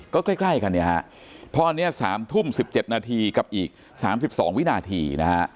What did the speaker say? ก็ใกล้กันเนี่ยฮะพออันนี้๓ทุ่ม๑๗นาทีกับอีก๓๒วินาทีนะฮะ